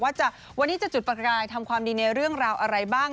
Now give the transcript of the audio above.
วันนี้จะจุดประกายทำความดีในเรื่องราวอะไรบ้าง